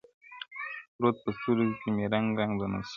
• پروت په سترګو کي مي رنګ رنګ د نسو دی,